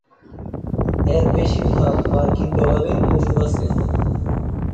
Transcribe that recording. এর বেশির ভাগই মার্কিন ডলারে মজুদ আছে।